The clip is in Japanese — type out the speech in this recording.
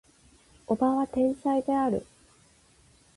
叔母は天才である